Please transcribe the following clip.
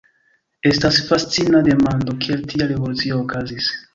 Estas fascina demando, kiel tia revolucio okazis.